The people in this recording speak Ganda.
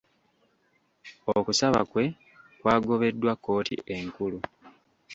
Okusaba kwe kwagobeddwa kkooti enkulu.